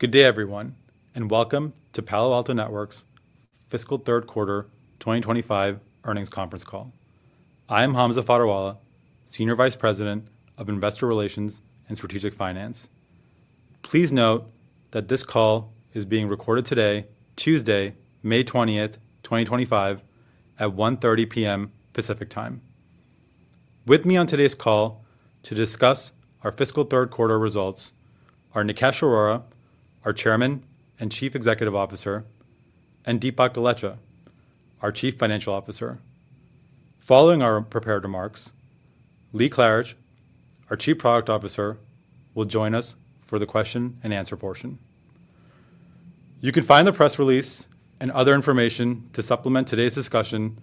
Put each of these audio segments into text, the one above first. Good day, everyone, and welcome to Palo Alto Networks' Fiscal Third Quarter 2025 earnings conference call. I am Hamza Fodderwala, Senior Vice President of Investor Relations and Strategic Finance. Please note that this call is being recorded today, Tuesday, May 20th, 2025, at 1:30 P.M. Pacific Time. With me on today's call to discuss our Fiscal Third Quarter results are Nikesh Arora, our Chairman and Chief Executive Officer, and Dipak Golechha, our Chief Financial Officer. Following our prepared remarks, Lee Klarich, our Chief Product Officer, will join us for the question-and-answer portion. You can find the press release and other information to supplement today's discussion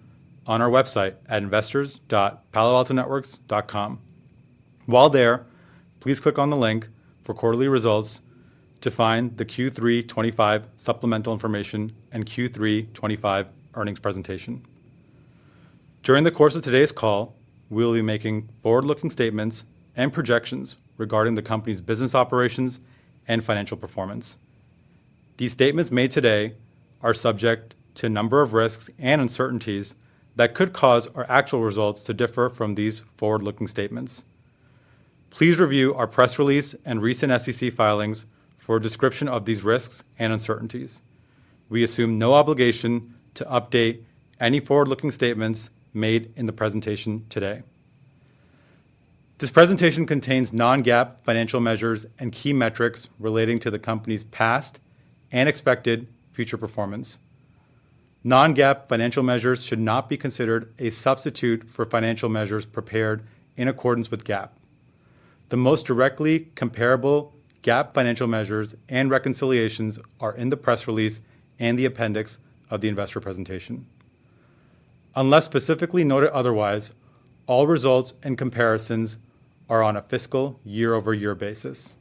on our website at investors.paloaltonetworks.com. While there, please click on the link for quarterly results to find the Q3 2025 supplemental information and Q3 2025 earnings presentation. During the course of today's call, we will be making forward-looking statements and projections regarding the company's business operations and financial performance. These statements made today are subject to a number of risks and uncertainties that could cause our actual results to differ from these forward-looking statements. Please review our press release and recent SEC filings for a description of these risks and uncertainties. We assume no obligation to update any forward-looking statements made in the presentation today. This presentation contains non-GAAP financial measures and key metrics relating to the company's past and expected future performance. Non-GAAP financial measures should not be considered a substitute for financial measures prepared in accordance with GAAP. The most directly comparable GAAP financial measures and reconciliations are in the press release and the appendix of the investor presentation. Unless specifically noted otherwise, all results and comparisons are on a fiscal year-over-year basis.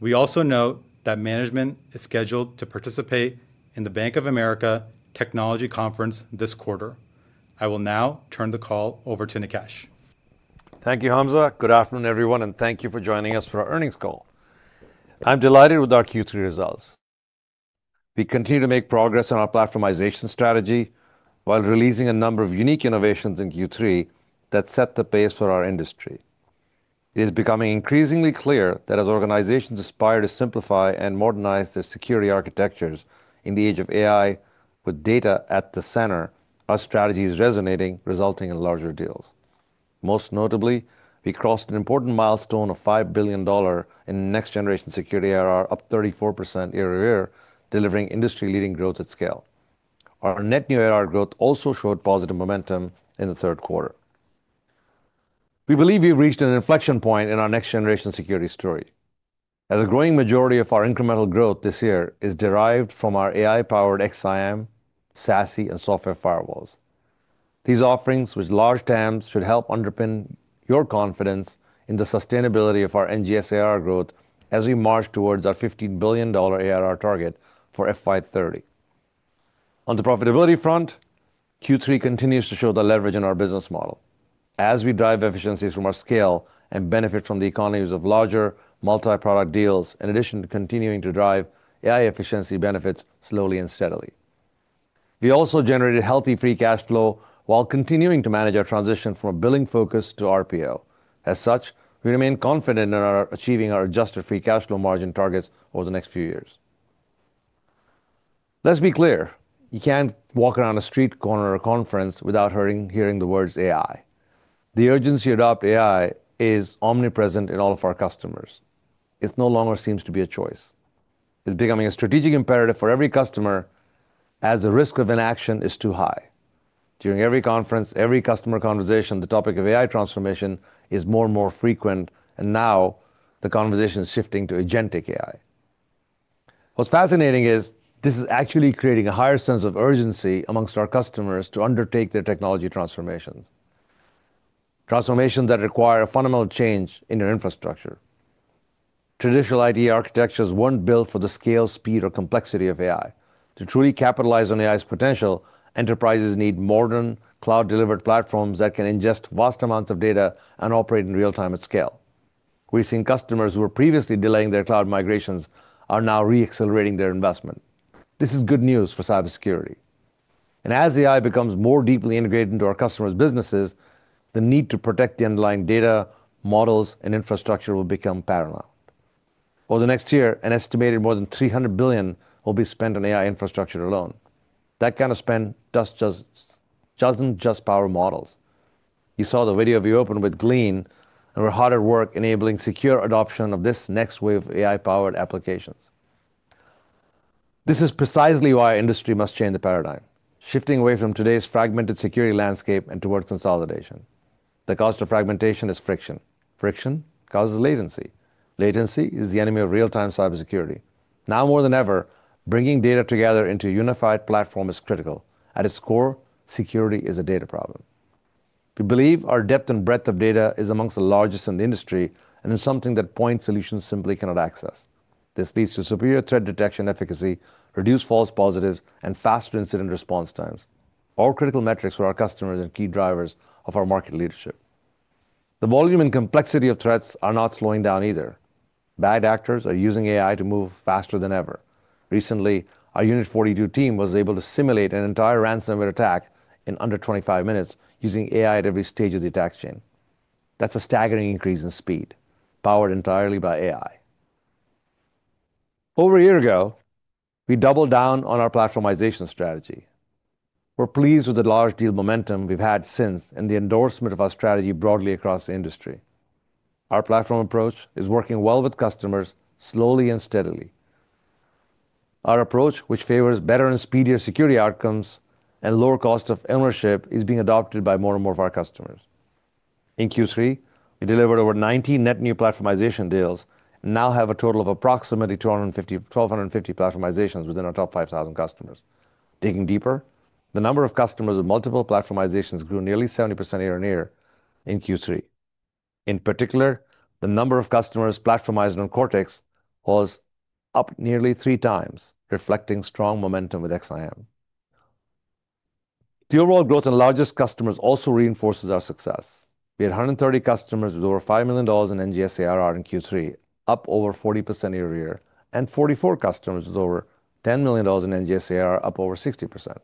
We also note that management is scheduled to participate in the Bank of America Technology Conference this quarter. I will now turn the call over to Nikesh. Thank you, Hamza. Good afternoon, everyone, and thank you for joining us for our earnings call. I'm delighted with our Q3 results. We continue to make progress on our platformization strategy while releasing a number of unique innovations in Q3 that set the pace for our industry. It is becoming increasingly clear that as organizations aspire to simplify and modernize their security architectures in the age of AI, with data at the center, our strategy is resonating, resulting in larger deals. Most notably, we crossed an important milestone of $5 billion in next-generation security ARR, up 34% year-over-year, delivering industry-leading growth at scale. Our net new ARR growth also showed positive momentum in the third quarter. We believe we've reached an inflection point in our next-generation security story, as a growing majority of our incremental growth this year is derived from our AI-powered XSIAM, SASE, and software firewalls. These offerings, with large TAMs, should help underpin your confidence in the sustainability of our NGS ARR growth as we march towards our $15 billion ARR target for FY 2030. On the profitability front, Q3 continues to show the leverage in our business model, as we drive efficiencies from our scale and benefit from the economies of larger multi-product deals, in addition to continuing to drive AI efficiency benefits slowly and steadily. We also generated healthy free cash flow while continuing to manage our transition from a billing focus to RPO. As such, we remain confident in achieving our adjusted free cash flow margin targets over the next few years. Let's be clear: you can't walk around a street corner or conference without hearing the words "AI." The urgency to adopt AI is omnipresent in all of our customers. It no longer seems to be a choice. It's becoming a strategic imperative for every customer, as the risk of inaction is too high. During every conference, every customer conversation, the topic of AI transformation is more and more frequent, and now the conversation is shifting to agentic AI. What's fascinating is this is actually creating a higher sense of urgency amongst our customers to undertake their technology transformations, transformations that require a fundamental change in your infrastructure. Traditional IT architectures weren't built for the scale, speed, or complexity of AI. To truly capitalize on AI's potential, enterprises need modern, cloud-delivered platforms that can ingest vast amounts of data and operate in real-time at scale. We've seen customers who were previously delaying their cloud migrations are now re-accelerating their investment. This is good news for cybersecurity. As AI becomes more deeply integrated into our customers' businesses, the need to protect the underlying data, models, and infrastructure will become paramount. Over the next year, an estimated more than $300 billion will be spent on AI infrastructure alone. That kind of spend does not just power models. You saw the video we opened with Glean and our harder work enabling secure adoption of this next wave of AI-powered applications. This is precisely why our industry must change the paradigm, shifting away from today's fragmented security landscape and towards consolidation. The cause of fragmentation is friction. Friction causes latency. Latency is the enemy of real-time cybersecurity. Now more than ever, bringing data together into a unified platform is critical. At its core, security is a data problem. We believe our depth and breadth of data is amongst the largest in the industry and is something that point solutions simply cannot access. This leads to superior threat detection efficacy, reduced false positives, and faster incident response times. All critical metrics for our customers are key drivers of our market leadership. The volume and complexity of threats are not slowing down either. Bad actors are using AI to move faster than ever. Recently, our Unit 42 team was able to simulate an entire ransomware attack in under 25 minutes using AI at every stage of the attack chain. That's a staggering increase in speed, powered entirely by AI. Over a year ago, we doubled down on our platformization strategy. We're pleased with the large deal momentum we've had since and the endorsement of our strategy broadly across the industry. Our platform approach is working well with customers slowly and steadily. Our approach, which favors better and speedier security outcomes and lower cost of ownership, is being adopted by more and more of our customers. In Q3, we delivered over 90 net new platformization deals and now have a total of approximately 250 platformizations within our top 5,000 customers. Digging deeper, the number of customers with multiple platformizations grew nearly 70% year-on-year in Q3. In particular, the number of customers platformized on Cortex was up nearly three times, reflecting strong momentum with XSIAM. The overall growth in largest customers also reinforces our success. We had 130 customers with over $5 million in NGS ARR in Q3, up over 40% year-on-year, and 44 customers with over $10 million in NGS ARR, up over 60%.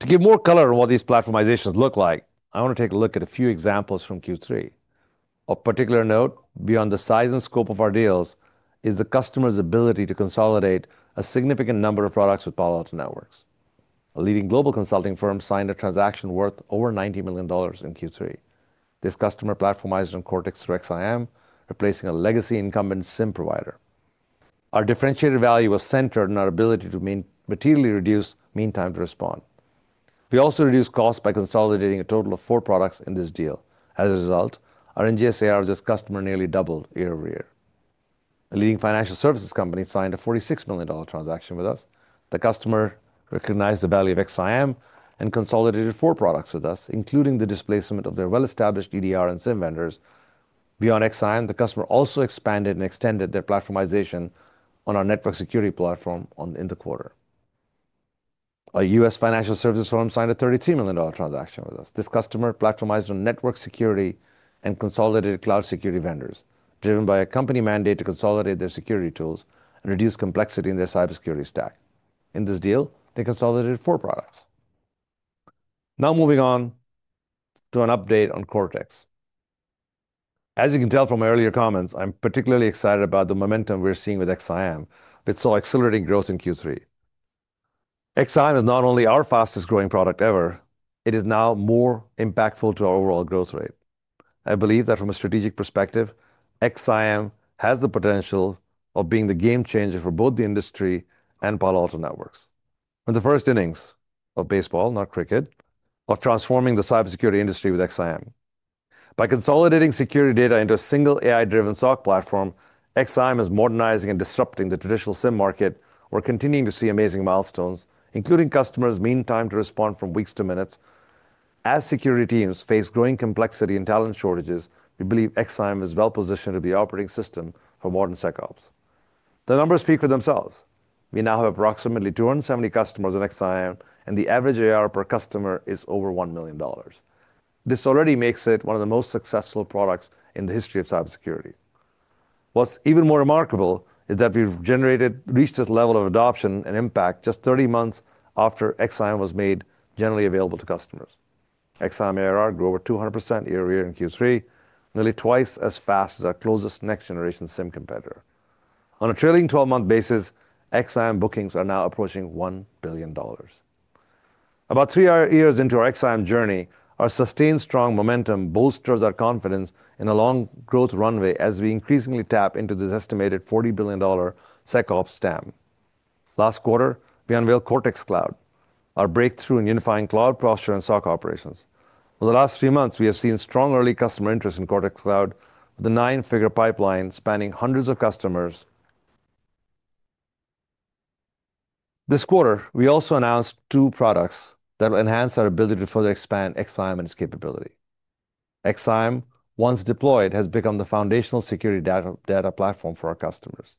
To give more color on what these platformizations look like, I want to take a look at a few examples from Q3. Of particular note, beyond the size and scope of our deals, is the customer's ability to consolidate a significant number of products with Palo's Networks. A leading global consulting firm signed a transaction worth over $90 million in Q3. This customer platformized on Cortex through XSIAM, replacing a legacy incumbent SIEM provider. Our differentiated value was centered in our ability to materially reduce meantime to respond. We also reduced costs by consolidating a total of four products in this deal. As a result, our NGS ARR as customer nearly doubled year-over-year. A leading financial services company signed a $46 million transaction with us. The customer recognized the value of XSIAM and consolidated four products with us, including the displacement of their well-established EDR and SIEM vendors. Beyond XSIAM, the customer also expanded and extended their platformization on our network security platform in the quarter. A U.S. financial services firm signed a $33 million transaction with us. This customer platformized on network security and consolidated cloud security vendors, driven by a company mandate to consolidate their security tools and reduce complexity in their cybersecurity stack. In this deal, they consolidated four products. Now moving on to an update on Cortex. As you can tell from my earlier comments, I'm particularly excited about the momentum we're seeing with XSIAM with so accelerating growth in Q3. XSIAM is not only our fastest-growing product ever; it is now more impactful to our overall growth rate. I believe that from a strategic perspective, XSIAM has the potential of being the game changer for both the industry and Palo Alto Networks. From the first innings of baseball, not cricket, of transforming the cybersecurity industry with XSIAM. By consolidating security data into a single AI-driven SOC platform, XSIAM is modernizing and disrupting the traditional SIEM market. We're continuing to see amazing milestones, including customers' meantime to respond from weeks to minutes. As security teams face growing complexity and talent shortages, we believe XSIAM is well-positioned to be the operating system for modern SecOps. The numbers speak for themselves. We now have approximately 270 customers on XSIAM, and the average ARR per customer is over $1 million. This already makes it one of the most successful products in the history of cybersecurity. What's even more remarkable is that we've generated, reached this level of adoption and impact just 30 months after XSIAM was made generally available to customers. XSIAM ARR grew over 200% year-over-year in Q3, nearly twice as fast as our closest next-generation SIEM competitor. On a trailing 12-month basis, XSIAM bookings are now approaching $1 billion. About three years into our XSIAM journey, our sustained strong momentum bolsters our confidence in a long growth runway as we increasingly tap into this estimated $40 billion SecOps TAM. Last quarter, we unveiled Cortex Cloud, our breakthrough in unifying cloud posture and SOC operations. Over the last three months, we have seen strong early customer interest in Cortex Cloud, with a nine-figure pipeline spanning hundreds of customers. This quarter, we also announced two products that will enhance our ability to further expand XSIAM and its capability. XSIAM, once deployed, has become the foundational security data platform for our customers.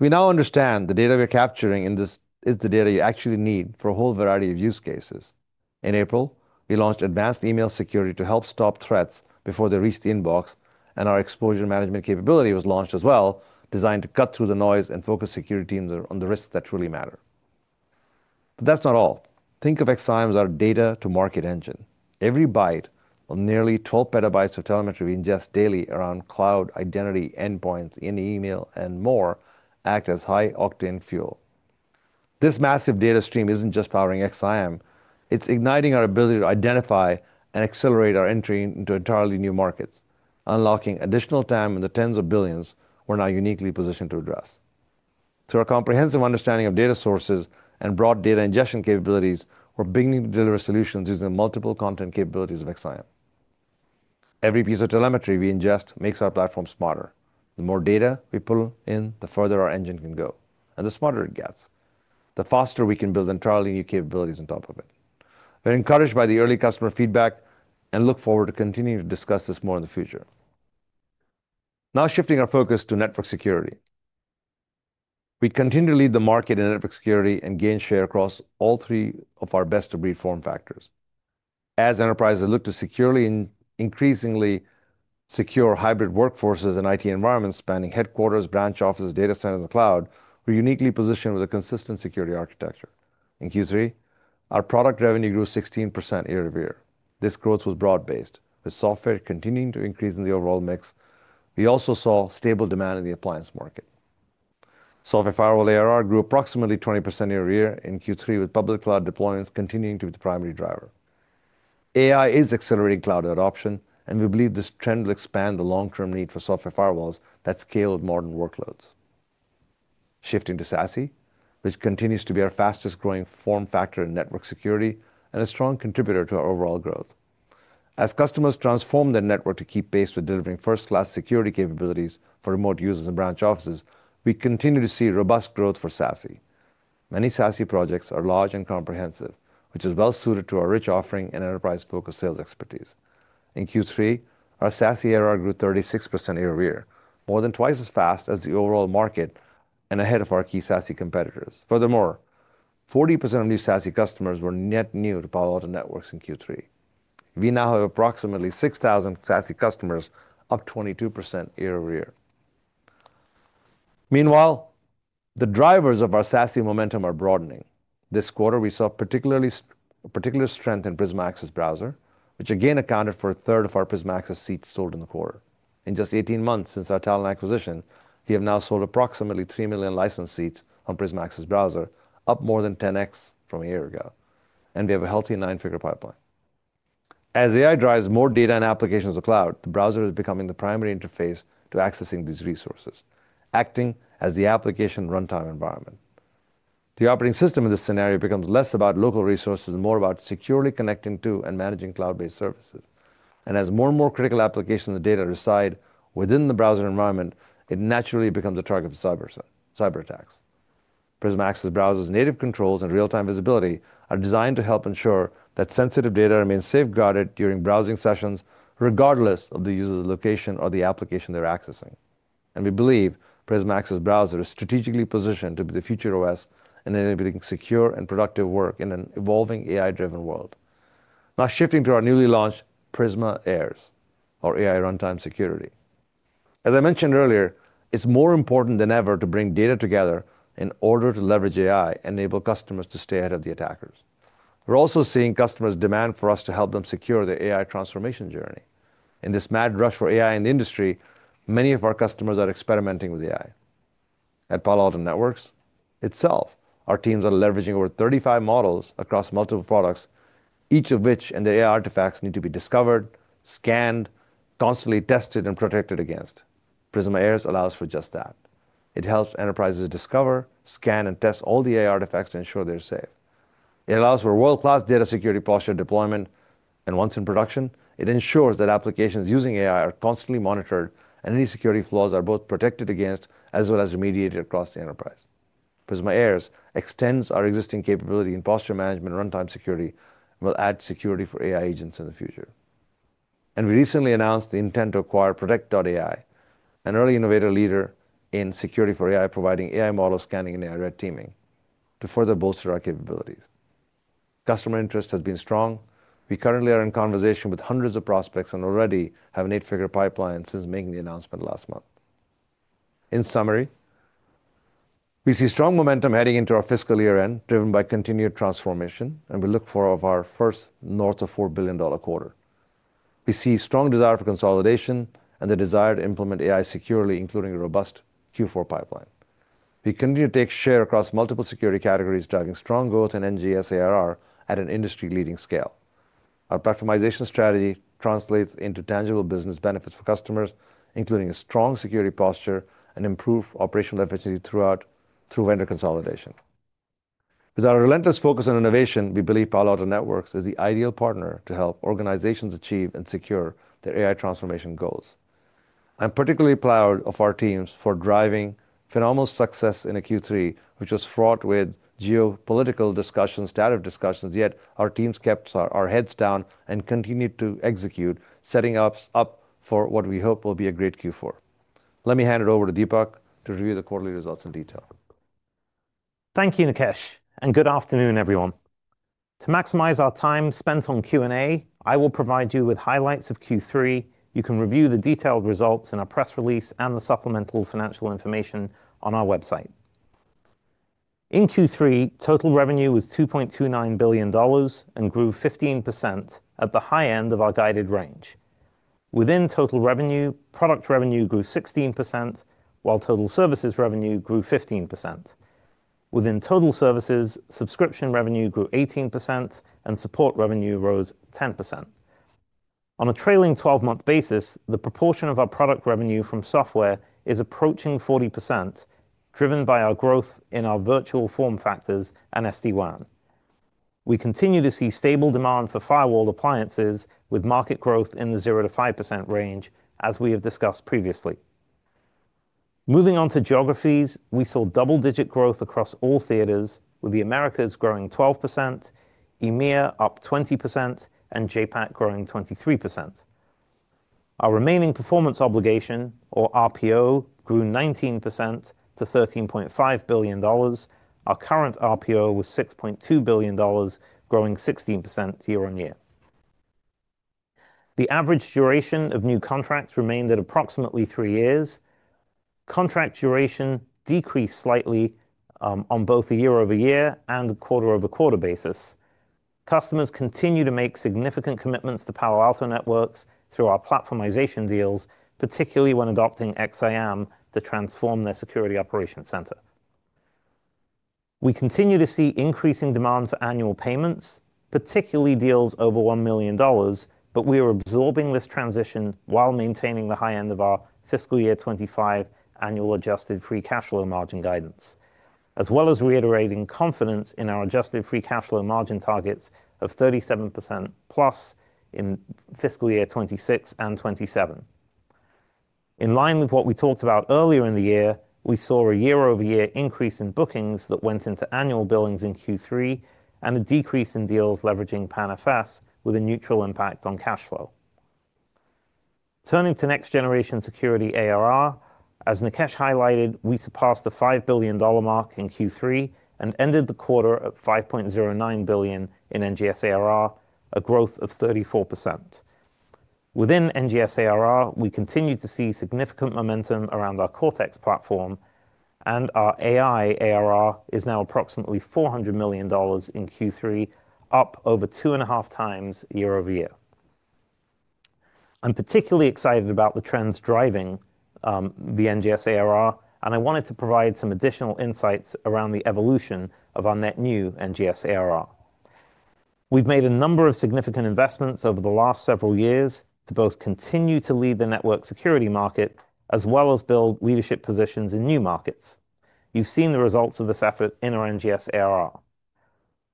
We now understand the data we're capturing is the data you actually need for a whole variety of use cases. In April, we launched Advanced Email Security to help stop threats before they reach the inbox, and our Exposure Management capability was launched as well, designed to cut through the noise and focus security teams on the risks that truly matter. That is not all. Think of XSIAM as our data-to-market engine. Every byte of nearly 12 PB of telemetry we ingest daily around cloud, identity, endpoints, email, and more acts as high-octane fuel. This massive data stream is not just powering XSIAM; it is igniting our ability to identify and accelerate our entry into entirely new markets, unlocking additional TAM in the tens of billions we are now uniquely positioned to address. Through our comprehensive understanding of data sources and broad data ingestion capabilities, we are beginning to deliver solutions using the multiple content capabilities of XSIAM. Every piece of telemetry we ingest makes our platform smarter. The more data we pull in, the further our engine can go, and the smarter it gets, the faster we can build entirely new capabilities on top of it. We're encouraged by the early customer feedback and look forward to continuing to discuss this more in the future. Now shifting our focus to network security, we continue to lead the market in network security and gain share across all three of our best-of-breed form factors. As enterprises look to securely and increasingly secure hybrid workforces and IT environments spanning headquarters, branch offices, data centers, and the cloud, we're uniquely positioned with a consistent security architecture. In Q3, our product revenue grew 16% year-over-year. This growth was broad-based, with software continuing to increase in the overall mix. We also saw stable demand in the appliance market. Software firewall ARR grew approximately 20% year-over-year in Q3, with public cloud deployments continuing to be the primary driver. AI is accelerating cloud adoption, and we believe this trend will expand the long-term need for software firewalls that scale with modern workloads. Shifting to SASE, which continues to be our fastest-growing form factor in network security and a strong contributor to our overall growth. As customers transform their network to keep pace with delivering first-class security capabilities for remote users and branch offices, we continue to see robust growth for SASE. Many SASE projects are large and comprehensive, which is well-suited to our rich offering and enterprise-focused sales expertise. In Q3, our SASE ARR grew 36% year-over-year, more than twice as fast as the overall market and ahead of our key SASE competitors. Furthermore, 40% of new SASE customers were net new to Palo Alto Networks in Q3. We now have approximately 6,000 SASE customers, up 22% year-over-year. Meanwhile, the drivers of our SASE momentum are broadening. This quarter, we saw particular strength in Prisma Access Browser, which again accounted for a third of our Prisma Access seats sold in the quarter. In just 18 months since our talent acquisition, we have now sold approximately three million license seats on Prisma Access Browser, up more than 10x from a year ago, and we have a healthy nine-figure pipeline. As AI drives more data and applications to the cloud, the browser is becoming the primary interface to accessing these resources, acting as the application runtime environment. The operating system in this scenario becomes less about local resources and more about securely connecting to and managing cloud-based services. As more and more critical applications of data reside within the browser environment, it naturally becomes a target for cyber attacks. Prisma Access Browser's native controls and real-time visibility are designed to help ensure that sensitive data remains safeguarded during browsing sessions, regardless of the user's location or the application they're accessing. We believe Prisma Access Browser is strategically positioned to be the future OS in enabling secure and productive work in an evolving AI-driven world. Now shifting to our newly launched Prisma AIRS, our AI runtime security. As I mentioned earlier, it's more important than ever to bring data together in order to leverage AI and enable customers to stay ahead of the attackers. We're also seeing customers' demand for us to help them secure their AI transformation journey. In this mad rush for AI in the industry, many of our customers are experimenting with AI. At Palo Alto Networks itself, our teams are leveraging over 35 models across multiple products, each of which and their AI artifacts need to be discovered, scanned, constantly tested, and protected against. Prisma AIRS allows for just that. It helps enterprises discover, scan, and test all the AI artifacts to ensure they're safe. It allows for world-class data security posture deployment, and once in production, it ensures that applications using AI are constantly monitored and any security flaws are both protected against as well as remediated across the enterprise. Prisma AIRS extends our existing capability in posture management and runtime security and will add security for AI agents in the future. We recently announced the intent to acquire Protect.ai, an early innovator leader in security for AI, providing AI model scanning and AI red teaming to further bolster our capabilities. Customer interest has been strong. We currently are in conversation with hundreds of prospects and already have an eight-figure pipeline since making the announcement last month. In summary, we see strong momentum heading into our fiscal year-end, driven by continued transformation, and we look forward to our first north of $4 billion quarter. We see strong desire for consolidation and the desire to implement AI securely, including a robust Q4 pipeline. We continue to take share across multiple security categories, driving strong growth in NGS ARR at an industry-leading scale. Our platformization strategy translates into tangible business benefits for customers, including a strong security posture and improved operational efficiency throughout through vendor consolidation. With our relentless focus on innovation, we believe Palo Alto Networks is the ideal partner to help organizations achieve and secure their AI transformation goals. I'm particularly proud of our teams for driving phenomenal success in Q3, which was fraught with geopolitical discussions, stative discussions, yet our teams kept our heads down and continued to execute, setting us up for what we hope will be a great Q4. Let me hand it over to Dipak to review the quarterly results in detail. Thank you, Nikesh, and good afternoon, everyone. To maximize our time spent on Q&A, I will provide you with highlights of Q3. You can review the detailed results in our press release and the supplemental financial information on our website. In Q3, total revenue was $2.29 billion and grew 15% at the high end of our guided range. Within total revenue, product revenue grew 16%, while total services revenue grew 15%. Within total services, subscription revenue grew 18%, and support revenue rose 10%. On a trailing 12-month basis, the proportion of our product revenue from software is approaching 40%, driven by our growth in our virtual form factors and SD-WAN. We continue to see stable demand for firewall appliances, with market growth in the 0-5% range, as we have discussed previously. Moving on to geographies, we saw double-digit growth across all theaters, with the Americas growing 12%, EMEA up 20%, and JPAC growing 23%. Our remaining performance obligation, or RPO, grew 19% to $13.5 billion. Our current RPO was $6.2 billion, growing 16% year-on-year. The average duration of new contracts remained at approximately three years. Contract duration decreased slightly on both a year-over-year and a quarter-over-quarter basis. Customers continue to make significant commitments to Palo Alto Networks through our platformization deals, particularly when adopting XSIAM to transform their security operations center. We continue to see increasing demand for annual payments, particularly deals over $1 million, but we are absorbing this transition while maintaining the high end of our fiscal year 2025 annual adjusted free cash flow margin guidance, as well as reiterating confidence in our adjusted free cash flow margin targets of 37%+ in fiscal year 2026 and 2027. In line with what we talked about earlier in the year, we saw a year-over-year increase in bookings that went into annual billings in Q3 and a decrease in deals leveraging PANFS, with a neutral impact on cash flow. Turning to next-generation security ARR, as Nikesh highlighted, we surpassed the $5 billion mark in Q3 and ended the quarter at $5.09 billion in NGS ARR, a growth of 34%. Within NGS ARR, we continue to see significant momentum around our Cortex platform, and our AI ARR is now approximately $400 million in Q3, up over two and a half times year-over-year. I'm particularly excited about the trends driving the NGS ARR, and I wanted to provide some additional insights around the evolution of our net new NGS ARR. We've made a number of significant investments over the last several years to both continue to lead the network security market as well as build leadership positions in new markets. You've seen the results of this effort in our NGS ARR.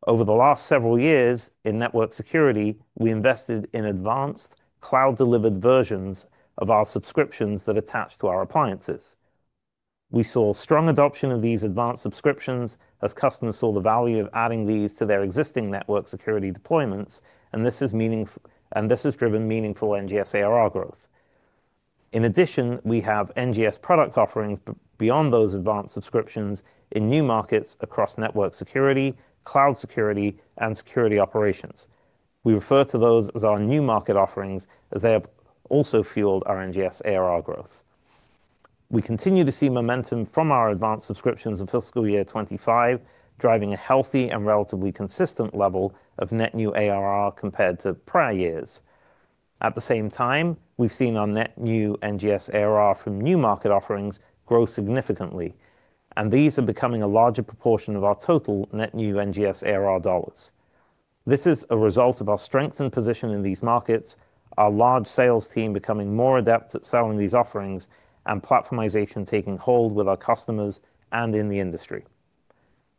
Over the last several years in network security, we invested in advanced cloud-delivered versions of our subscriptions that attach to our appliances. We saw strong adoption of these advanced subscriptions as customers saw the value of adding these to their existing network security deployments, and this has driven meaningful NGS ARR growth. In addition, we have NGS product offerings beyond those advanced subscriptions in new markets across network security, cloud security, and security operations. We refer to those as our new market offerings as they have also fueled our NGS ARR growth. We continue to see momentum from our advanced subscriptions in fiscal year 2025, driving a healthy and relatively consistent level of net new ARR compared to prior years. At the same time, we've seen our net new NGS ARR from new market offerings grow significantly, and these are becoming a larger proportion of our total net new NGS ARR dollars. This is a result of our strengthened position in these markets, our large sales team becoming more adept at selling these offerings, and platformization taking hold with our customers and in the industry.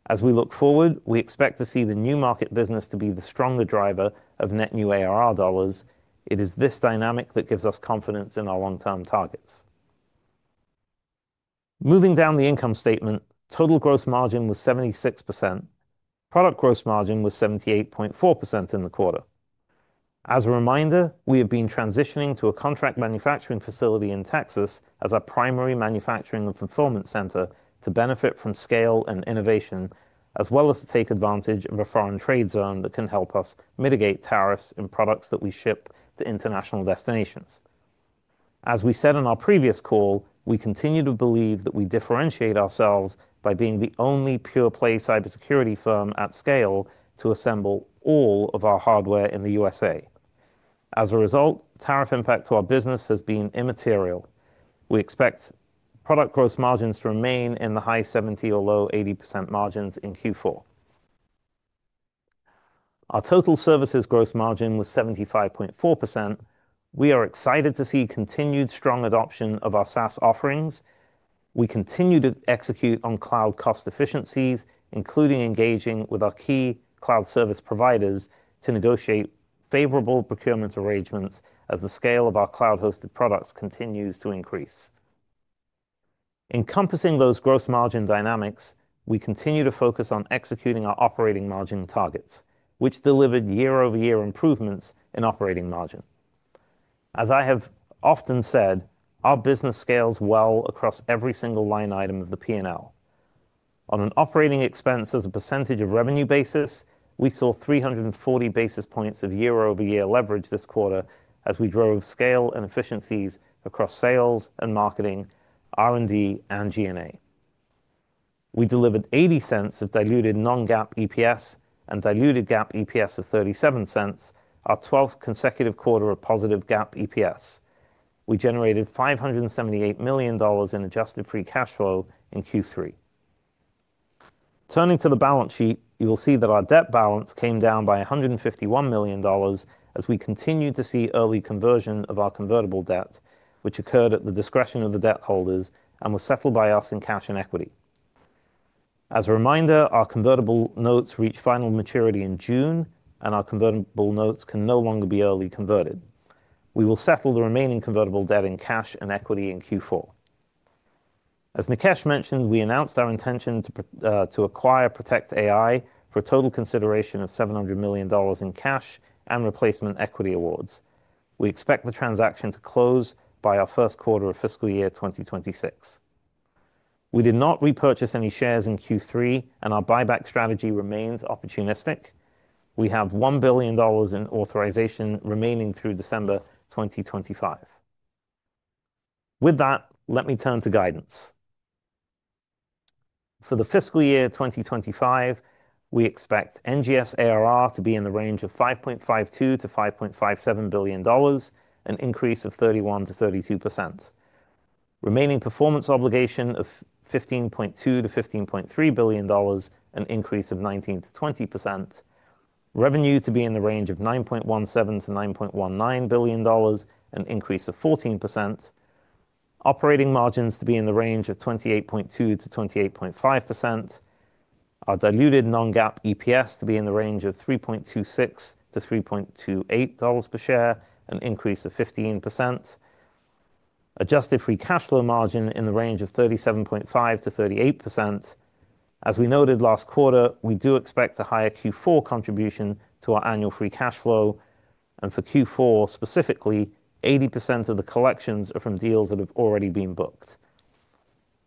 As we look forward, we expect to see the new market business to be the stronger driver of net new ARR dollars. It is this dynamic that gives us confidence in our long-term targets. Moving down the income statement, total gross margin was 76%. Product gross margin was 78.4% in the quarter. As a reminder, we have been transitioning to a contract manufacturing facility in Texas as our primary manufacturing and fulfillment center to benefit from scale and innovation, as well as to take advantage of a foreign trade zone that can help us mitigate tariffs in products that we ship to international destinations. As we said in our previous call, we continue to believe that we differentiate ourselves by being the only pure-play cybersecurity firm at scale to assemble all of our hardware in the USA. As a result, tariff impact to our business has been immaterial. We expect product gross margins to remain in the high 70% or low 80% margins in Q4. Our total services gross margin was 75.4%. We are excited to see continued strong adoption of our SaaS offerings. We continue to execute on cloud cost efficiencies, including engaging with our key cloud service providers to negotiate favorable procurement arrangements as the scale of our cloud-hosted products continues to increase. Encompassing those gross margin dynamics, we continue to focus on executing our operating margin targets, which delivered year-over-year improvements in operating margin. As I have often said, our business scales well across every single line item of the P&L. On an operating expense as a percentage of revenue basis, we saw 340 basis points of year-over-year leverage this quarter as we drove scale and efficiencies across sales, marketing, R&D, and G&A. We delivered $0.80 of diluted non-GAAP EPS and diluted GAAP EPS of $0.37, our 12th consecutive quarter of positive GAAP EPS. We generated $578 million in adjusted free cash flow in Q3. Turning to the balance sheet, you will see that our debt balance came down by $151 million as we continued to see early conversion of our convertible debt, which occurred at the discretion of the debt holders and was settled by us in cash and equity. As a reminder, our convertible notes reached final maturity in June, and our convertible notes can no longer be early converted. We will settle the remaining convertible debt in cash and equity in Q4. As Nikesh mentioned, we announced our intention to acquire Protect AI for a total consideration of $700 million in cash and replacement equity awards. We expect the transaction to close by our first quarter of fiscal year 2026. We did not repurchase any shares in Q3, and our buyback strategy remains opportunistic. We have $1 billion in authorization remaining through December 2025. With that, let me turn to guidance. For the fiscal year 2025, we expect NGS ARR to be in the range of $5.52 billion-$5.57 billion, an increase of 31%-32%. Remaining performance obligation of $15.2 billion-$15.3 billion, an increase of 19%-20%. Revenue to be in the range of $9.17 billion-$9.19 billion, an increase of 14%. Operating margins to be in the range of 28.2%-28.5%. Our diluted non-GAAP EPS to be in the range of $3.26-$3.28 per share, an increase of 15%. Adjusted free cash flow margin in the range of 37.5%-38%. As we noted last quarter, we do expect a higher Q4 contribution to our annual free cash flow, and for Q4 specifically, 80% of the collections are from deals that have already been booked.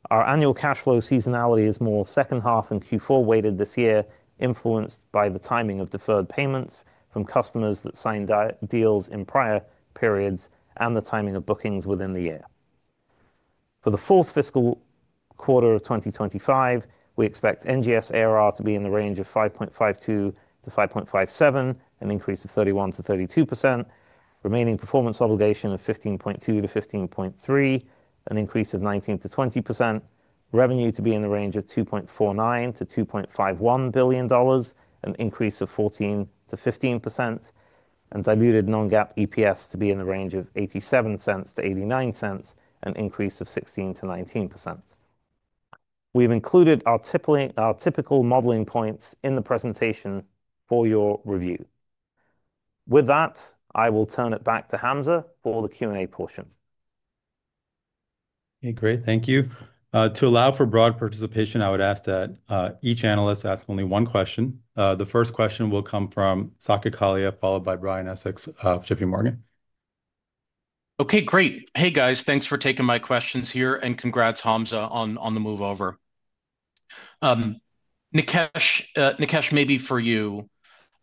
Our annual cash flow seasonality is more second half and Q4 weighted this year, influenced by the timing of deferred payments from customers that signed deals in prior periods and the timing of bookings within the year. For the fourth fiscal quarter of 2025, we expect NGS ARR to be in the range of 5.52%-5.57%, an increase of 31%-32%. Remaining performance obligation of 15.2%-15.3%, an increase of 19%-20%. Revenue to be in the range of $2.49-$2.51 billion, an increase of 14%-15%. Diluted non-GAAP EPS to be in the range of $0.87-$0.89, an increase of 16%-19%. We have included our typical modeling points in the presentation for your review. With that, I will turn it back to Hamza for the Q&A portion. Okay, great. Thank you. To allow for broad participation, I would ask that each analyst ask only one question. The first question will come from Saket Kalia, followed by Brian Essex of JPMorgan. Okay, great. Hey guys, thanks for taking my questions here, and congrats Hamza on the move over. Nikesh, maybe for you,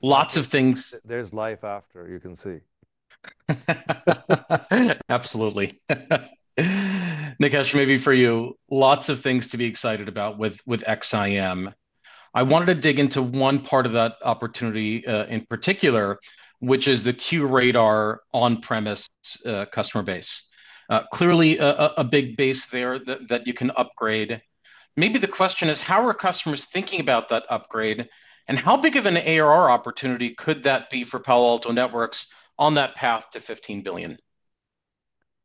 lots of things. There is life after, you can see. Absolutely. Nikesh, maybe for you, lots of things to be excited about with XSIAM. I wanted to dig into one part of that opportunity in particular, which is the QRadar on-premise customer base. Clearly, a big base there that you can upgrade. Maybe the question is, how are customers thinking about that upgrade, and how big of an ARR opportunity could that be for Palo Alto Networks on that path to $15 billion?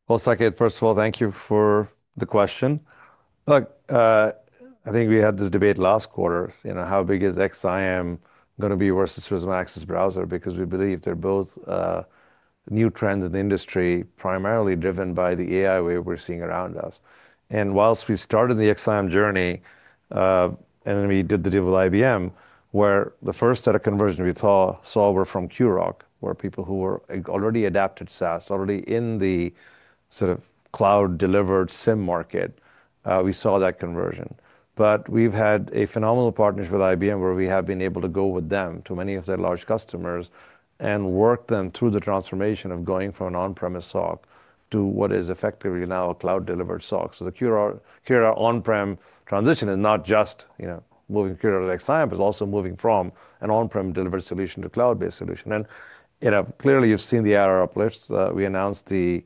Saket, first of all, thank you for the question. Look, I think we had this debate last quarter. You know, how big is XSIAM going to be versus the Swiss Maxis browser? Because we believe they're both new trends in the industry, primarily driven by the AI wave we're seeing around us. Whilst we've started the XSIAM journey, and then we did the deal with IBM, where the first set of conversions we saw were from QRadar, where people who were already adapted SaaS, already in the sort of cloud-delivered SIEM market, we saw that conversion. We've had a phenomenal partnership with IBM where we have been able to go with them to many of their large customers and work them through the transformation of going from an on-premise SOC to what is effectively now a cloud-delivered SOC. The QRadar on-prem transition is not just, you know, moving QRadar to XSIAM, but it's also moving from an on-prem delivered solution to a cloud-based solution. You know, clearly you've seen the ARR uplifts. We announced the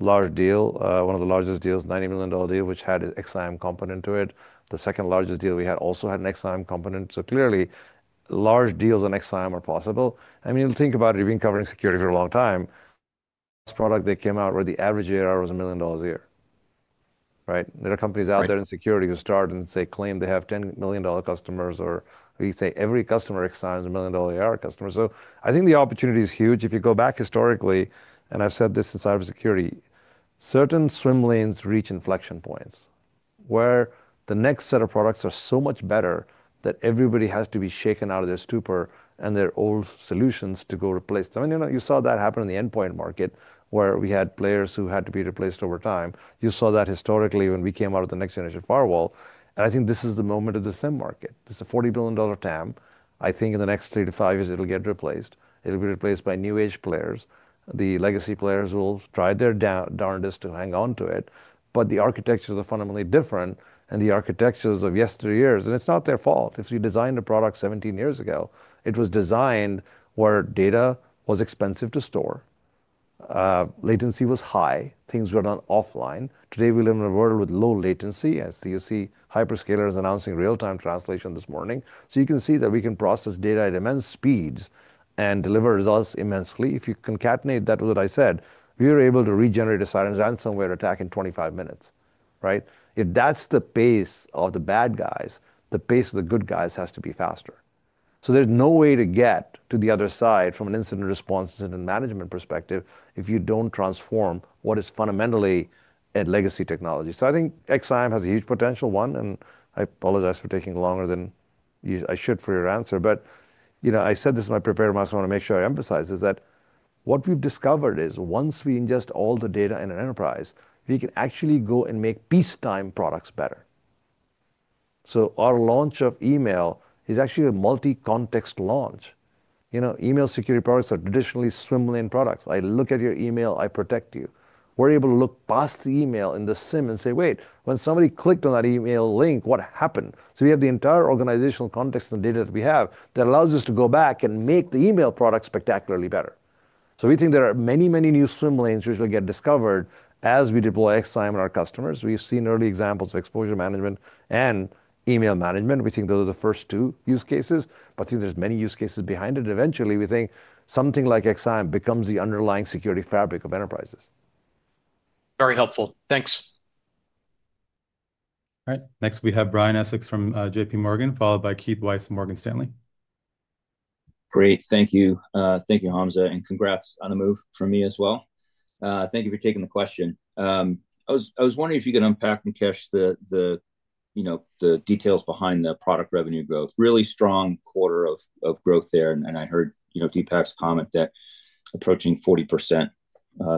large deal, one of the largest deals, $90 million deal, which had an XSIAM component to it. The second largest deal we had also had an XSIAM component. Clearly, large deals on XSIAM are possible. I mean, you think about it, you've been covering security for a long time. Last product that came out where the average ARR was $1 million a year, right? There are companies out there in security who start and say, claim they have $10 million customers, or we say every customer XSIAM is a $1 million ARR customer. I think the opportunity is huge. If you go back historically, and I've said this in cybersecurity, certain swim lanes reach inflection points where the next set of products are so much better that everybody has to be shaken out of their stupor and their old solutions to go replace them. You know, you saw that happen in the endpoint market where we had players who had to be replaced over time. You saw that historically when we came out of the next-generation firewall. I think this is the moment of the SIEM market. This is a $40 billion TAM. I think in the next three to five years, it will get replaced. It will be replaced by new-age players. The legacy players will try their darndest to hang on to it, but the architectures are fundamentally different than the architectures of yesteryears. It is not their fault. If we designed a product 17 years ago, it was designed where data was expensive to store. Latency was high. Things were done offline. Today, we live in a world with low latency, as you see hyperscalers announcing real-time translation this morning. You can see that we can process data at immense speeds and deliver results immensely. If you concatenate that with what I said, we are able to regenerate a cyber ransomware attack in 25 minutes, right? If that's the pace of the bad guys, the pace of the good guys has to be faster. There's no way to get to the other side from an incident response and incident management perspective if you do not transform what is fundamentally a legacy technology. I think XSIAM has a huge potential, one, and I apologize for taking longer than I should for your answer. You know, I said this in my prepared remarks, I want to make sure I emphasize is that what we've discovered is once we ingest all the data in an enterprise, we can actually go and make peacetime products better. Our launch of email is actually a multi-context launch. You know, email security products are traditionally swim lane products. I look at your email, I protect you. We're able to look past the email in the SIEM and say, wait, when somebody clicked on that email link, what happened? We have the entire organizational context and the data that we have that allows us to go back and make the email product spectacularly better. We think there are many, many new swim lanes which will get discovered as we deploy XSIAM in our customers. We've seen early examples of exposure management and email management. We think those are the first two use cases, but I think there's many use cases behind it. Eventually, we think something like XSIAM becomes the underlying security fabric of enterprises. Very helpful. Thanks. All right. Next, we have Brian Essex from JPMorgan, followed by Keith Weiss and Morgan Stanley. Great. Thank you. Thank you, Hamza. And congrats on the move for me as well. Thank you for taking the question. I was wondering if you could unpack, Nikesh, the, you know, the details behind the product revenue growth. Really strong quarter of growth there. And I heard, you know, Dipak's comment that approaching 40%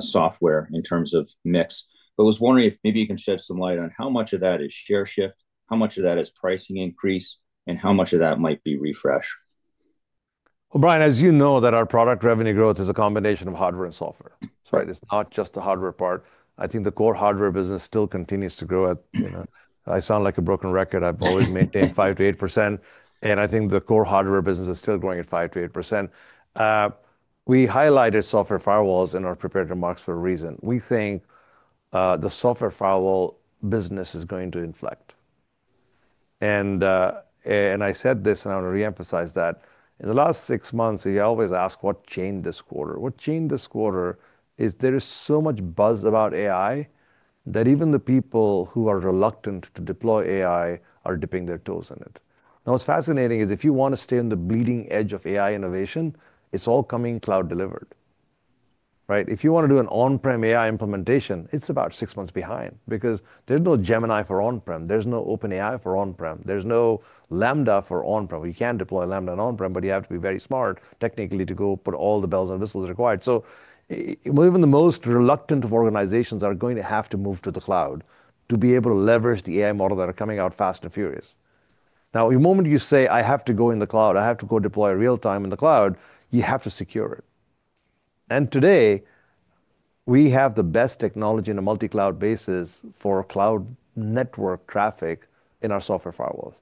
software in terms of mix. But I was wondering if maybe you can shed some light on how much of that is share shift, how much of that is pricing increase, and how much of that might be refresh. Brian, as you know, our product revenue growth is a combination of hardware and software. That's right. It's not just the hardware part. I think the core hardware business still continues to grow at, you know, I sound like a broken record. I've always maintained 5%-8%. I think the core hardware business is still growing at 5%-8%. We highlighted software firewalls in our prepared remarks for a reason. We think the software firewall business is going to inflect. I said this, and I want to reemphasize that in the last six months, you always ask what changed this quarter. What changed this quarter is there is so much buzz about AI that even the people who are reluctant to deploy AI are dipping their toes in it. Now, what's fascinating is if you want to stay on the bleeding edge of AI innovation, it's all coming cloud-delivered, right? If you want to do an on-prem AI implementation, it's about six months behind because there's no Gemini for on-prem. There's no OpenAI for on-prem. There's no Lambda for on-prem. You can deploy Lambda on-prem, but you have to be very smart technically to go put all the bells and whistles required. Even the most reluctant of organizations are going to have to move to the cloud to be able to leverage the AI model that are coming out fast and furious. Now, the moment you say, I have to go in the cloud, I have to go deploy real-time in the cloud, you have to secure it. Today, we have the best technology in a multi-cloud basis for cloud network traffic in our software firewalls.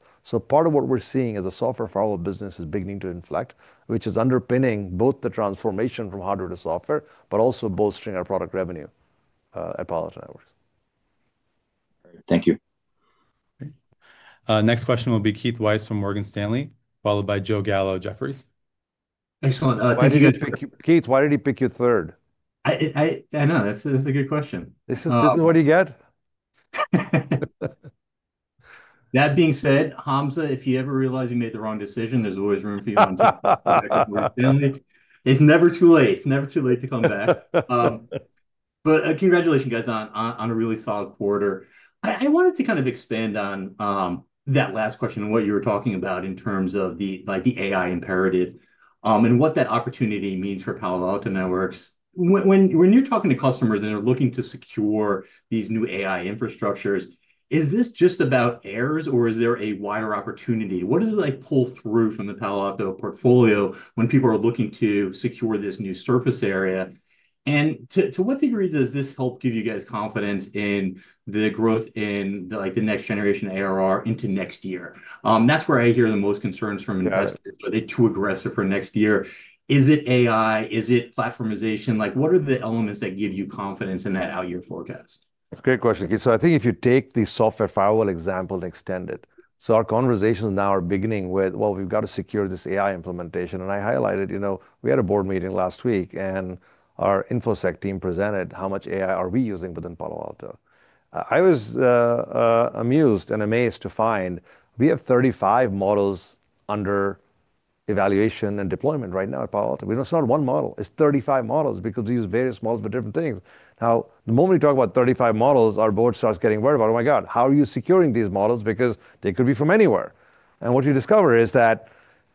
Part of what we're seeing is the software firewall business is beginning to inflect, which is underpinning both the transformation from hardware to software, but also bolstering our product revenue at Palo Alto Networks. Thank you. Next question will be Keith Weiss from Morgan Stanley, followed by Joe Gallo Jefferies. Excellent. Thank you, guys. Keith, why did he pick you third? I know. That's a good question. This is what you get. That being said, Hamza, if you ever realize you made the wrong decision, there's always room for you on deep. It's never too late. It's never too late to come back. Congratulations, guys, on a really solid quarter. I wanted to kind of expand on that last question and what you were talking about in terms of the AI imperative and what that opportunity means for Palo Alto Networks. When you're talking to customers and they're looking to secure these new AI infrastructures, is this just about errors or is there a wider opportunity? What does it like pull through from the Palo Alto portfolio when people are looking to secure this new surface area? And to what degree does this help give you guys confidence in the growth in the next generation ARR into next year? That's where I hear the most concerns from investors. Are they too aggressive for next year? Is it AI? Is it platformization? Like, what are the elements that give you confidence in that out-year forecast? That's a great question, Keith. I think if you take the software firewall example and extend it, our conversations now are beginning with, well, we've got to secure this AI implementation. I highlighted, you know, we had a board meeting last week and our infosec team presented how much AI are we using within Palo Alto. I was amused and amazed to find we have 35 models under evaluation and deployment right now at Palo Alto. We know it's not one model. It's 35 models because we use various models for different things. Now, the moment you talk about 35 models, our board starts getting worried about, oh my God, how are you securing these models? Because they could be from anywhere. What you discover is that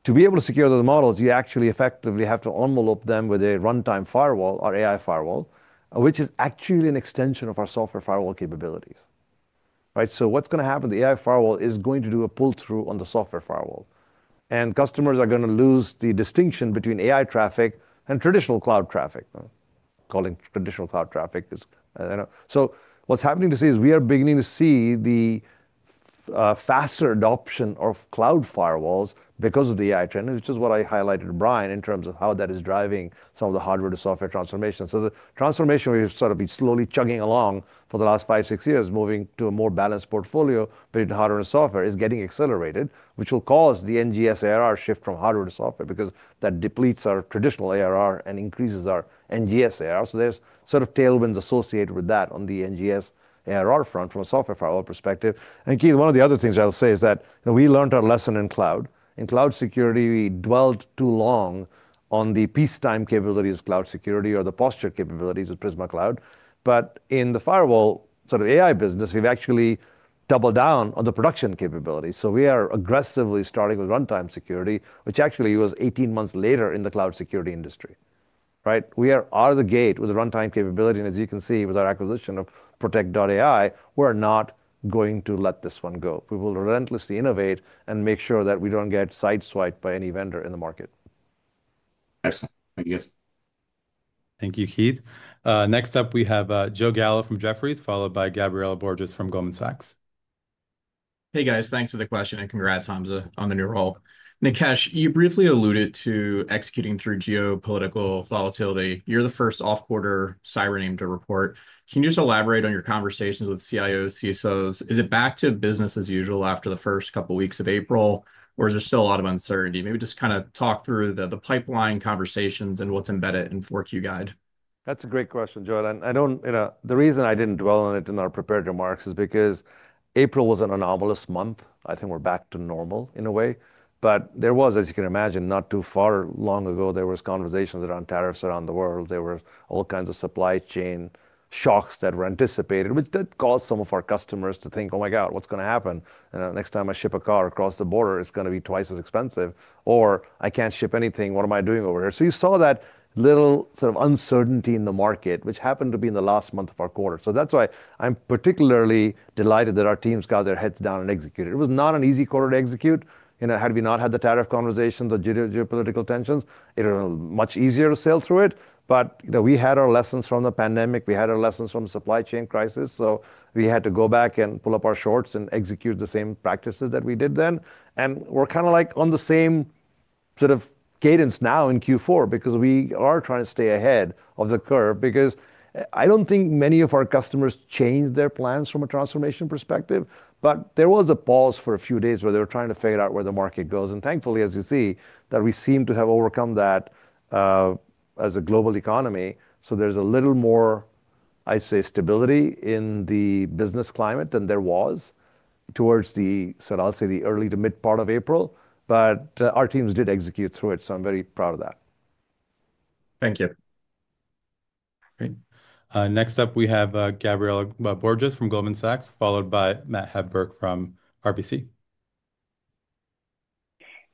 to be able to secure those models, you actually effectively have to envelope them with a runtime firewall or AI firewall, which is actually an extension of our software firewall capabilities, right? What's going to happen? The AI firewall is going to do a pull through on the software firewall. Customers are going to lose the distinction between AI traffic and traditional cloud traffic. Calling traditional cloud traffic is, you know. What is happening to see is we are beginning to see the faster adoption of cloud firewalls because of the AI trend, which is what I highlighted, Brian, in terms of how that is driving some of the hardware to software transformation. The transformation we have sort of been slowly chugging along for the last five, six years, moving to a more balanced portfolio in hardware and software, is getting accelerated, which will cause the NGS ARR shift from hardware to software because that depletes our traditional ARR and increases our NGS ARR. There are sort of tailwinds associated with that on the NGS ARR front from a software firewall perspective. Keith, one of the other things I'll say is that we learned our lesson in cloud. In cloud security, we dwelled too long on the peacetime capabilities of cloud security or the posture capabilities of Prisma Cloud. In the firewall sort of AI business, we've actually doubled down on the production capability. We are aggressively starting with runtime security, which actually was 18 months later in the cloud security industry, right? We are out of the gate with the runtime capability. As you can see with our acquisition of Protect.ai, we're not going to let this one go. We will relentlessly innovate and make sure that we don't get sideswiped by any vendor in the market. Excellent. Thank you, guys. Thank you, Keith. Next up, we have Joe Gallo from Jefferies, followed by Gabriela Borges from Goldman Sachs. Hey, guys. Thanks for the question. Congrats, Hamza, on the new role. Nikesh, you briefly alluded to executing through geopolitical volatility. You're the first off-quarter cyber name to report. Can you just elaborate on your conversations with CIOs, CSOs? Is it back to business as usual after the first couple of weeks of April, or is there still a lot of uncertainty? Maybe just kind of talk through the pipeline conversations and what's embedded in 4Q Guide. That's a great question, Joe. I don't, you know, the reason I didn't dwell on it in our prepared remarks is because April was an anomalous month. I think we're back to normal in a way. There was, as you can imagine, not too far long ago, there were conversations around tariffs around the world. There were all kinds of supply chain shocks that were anticipated, which did cause some of our customers to think, oh my God, what's going to happen? You know, next time I ship a car across the border, it's going to be twice as expensive. Or I can't ship anything. What am I doing over here? You saw that little sort of uncertainty in the market, which happened to be in the last month of our quarter. That's why I'm particularly delighted that our teams got their heads down and executed. It was not an easy quarter to execute. You know, had we not had the tariff conversations or geopolitical tensions, it would have been much easier to sail through it. You know, we had our lessons from the pandemic. We had our lessons from the supply chain crisis. We had to go back and pull up our shorts and execute the same practices that we did then. We're kind of like on the same sort of cadence now in Q4 because we are trying to stay ahead of the curve. I don't think many of our customers changed their plans from a transformation perspective, but there was a pause for a few days where they were trying to figure out where the market goes. Thankfully, as you see, we seem to have overcome that as a global economy. There's a little more, I'd say, stability in the business climate than there was towards the, sort of, I'll say, the early to mid part of April. Our teams did execute through it, so I'm very proud of that. Thank you. Great. Next up, we have Gabriela Borges from Goldman Sachs, followed by Matt Hedberg from RBC.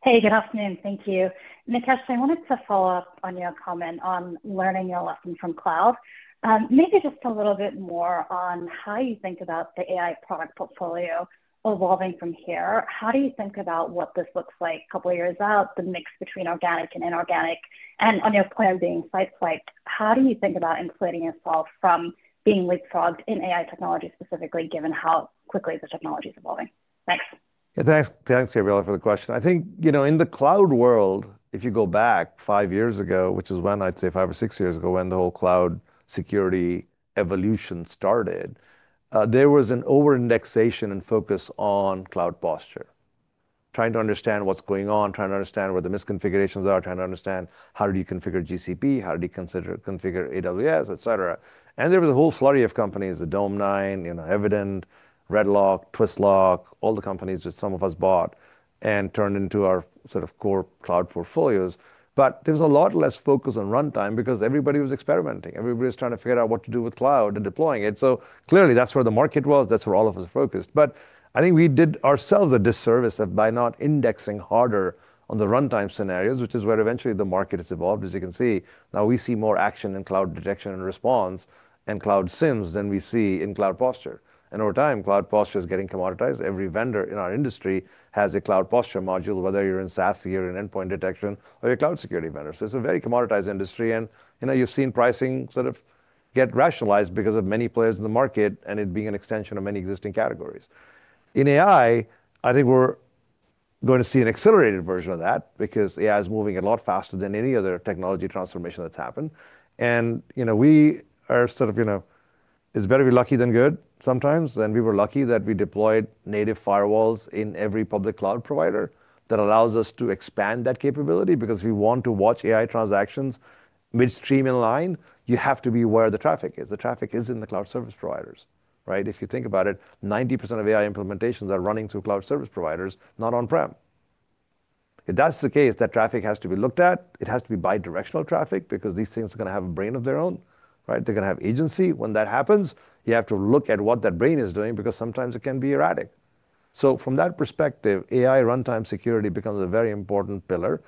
Hey, good afternoon. Thank you. Nikesh, I wanted to follow up on your comment on learning your lesson from cloud. Maybe just a little bit more on how you think about the AI product portfolio evolving from here. How do you think about what this looks like a couple of years out, the mix between organic and inorganic? On your plan being sideswiped, how do you think about insulating yourself from being leapfrogged in AI technology specifically, given how quickly the technology is evolving? Thanks. Thanks, Gabriela, for the question. I think, you know, in the cloud world, if you go back five years ago, which is when, I'd say, five or six years ago when the whole cloud security evolution started, there was an over-indexation and focus on cloud posture, trying to understand what's going on, trying to understand where the misconfigurations are, trying to understand how do you configure GCP, how do you configure AWS, et cetera. There was a whole slurry of companies, the Dome9, you know, Evident, RedLock, TwistLock, all the companies that some of us bought and turned into our sort of core cloud portfolios. There was a lot less focus on runtime because everybody was experimenting. Everybody was trying to figure out what to do with cloud and deploying it. Clearly, that's where the market was. That's where all of us are focused. I think we did ourselves a disservice by not indexing harder on the runtime scenarios, which is where eventually the market has evolved. As you can see, now we see more action in cloud detection and response and cloud SIEMs than we see in cloud posture. Over time, cloud posture is getting commoditized. Every vendor in our industry has a cloud posture module, whether you're in SASE or in endpoint detection or you're cloud security vendors. It is a very commoditized industry. You know, you've seen pricing sort of get rationalized because of many players in the market and it being an extension of many existing categories. In AI, I think we're going to see an accelerated version of that because AI is moving a lot faster than any other technology transformation that's happened. You know, we are sort of, you know, it's better to be lucky than good sometimes. We were lucky that we deployed native firewalls in every public cloud provider. That allows us to expand that capability because we want to watch AI transactions midstream in line. You have to be aware of the traffic because the traffic is in the cloud service providers, right? If you think about it, 90% of AI implementations are running through cloud service providers, not on-prem. If that's the case, that traffic has to be looked at. It has to be bidirectional traffic because these things are going to have a brain of their own, right? They're going to have agency. When that happens, you have to look at what that brain is doing because sometimes it can be erratic. From that perspective, AI runtime security becomes a very important pillar.